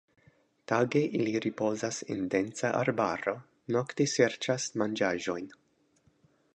Tage ili ripozas en densa arbaro, nokte serĉas manĝaĵojn.